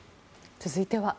続いては。